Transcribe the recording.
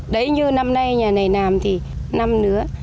đấy như năm nay nhà này nằm thì năm lứa